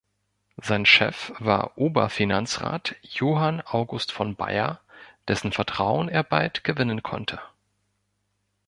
Sein Chef war Oberfinanzrat Johann August von Beyer, dessen Vertrauen er bald gewinnen konnte.